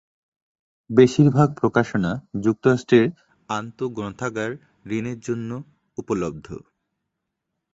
বেশিরভাগ প্রকাশনা যুক্তরাষ্ট্রের আন্তঃ-গ্রন্থাগার ঋণের জন্য উপলব্ধ।